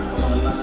pada hari ini